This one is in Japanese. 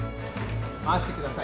回してください。